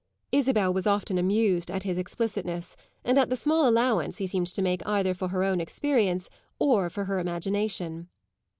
Isabel was often amused at his explicitness and at the small allowance he seemed to make either for her own experience or for her imagination.